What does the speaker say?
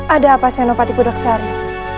ada apa senopati budak sari